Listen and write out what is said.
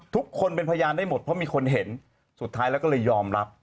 ทุกคนเป็นพยานได้หมดเพราะมีคนเห็นสุดท้ายแล้วก็เลยยอมรับ